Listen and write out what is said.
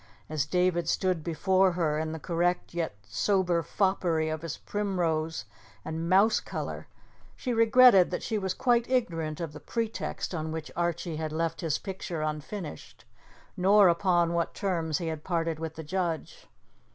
As David stood before her in the correct yet sober foppery of his primrose and mouse colour, she regretted that she was quite ignorant of the pretext on which Archie had left his picture unfinished, nor upon what terms he had parted with the judge.